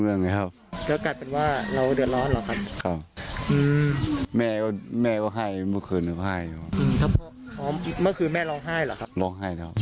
ยืนยันไหมครับว่าเราก็ไม่มีส่วนเกี่ยวข้อง